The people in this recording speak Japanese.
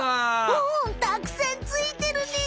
おおたくさんついてるね！